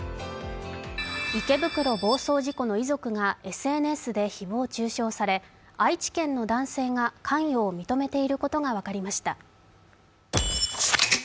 池袋暴走事故の遺族がＳＮＳで誹謗中傷され愛知県の男性が関与を認めていることが分かりました。